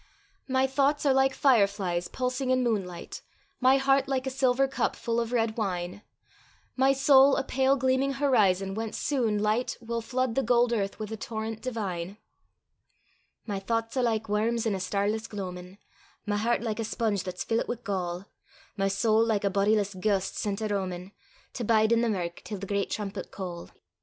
My thouchts are like fire flies pulsing in moonlight; My heart like a silver cup full of red wine; My soul a pale gleaming horizon, whence soon light Will flood the gold earth with a torrent divine. My thouchts are like worms in a starless gloamin'; My hert like a sponge that's fillit wi' gall; My sowl like a bodiless ghaist sent a roamin', To bide i' the mirk till the great trumpet call.